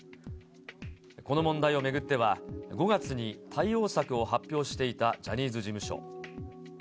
この問題を巡っては、５月に対応策を発表していたジャニーズ事務所。